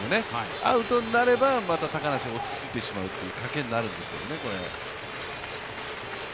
アウトになれば高梨、落ち着いてしまうというかけになるんですけどね。